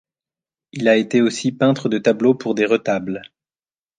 Il a été aussi peintre de tableaux pour des retables.